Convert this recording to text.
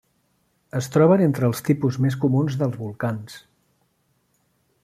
Es troben entre els tipus més comuns dels volcans.